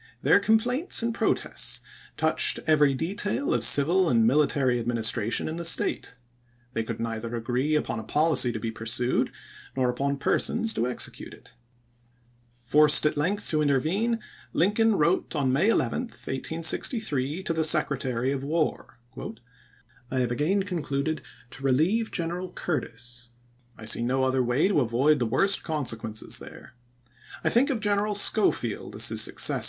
Their complaints and protests touched every detail of civil and military adminis tration in the State. They could neither agree upon a policy to be pursued nor upon persons to execute it. Forced at length to intervene, Lincoln wrote on May 11, 1863, to the Secretary of War :" I have again concluded to relieve General Curtis. I see MISSOUEI KADICALS AND CONSEKVATIVES 205 no other way to avoid the worst consequences chap.vtii. there. I think of General Schofield as his succes ^